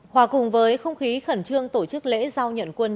hòa cùng với không khí khẩn trương tổ chức lễ giao nhận quân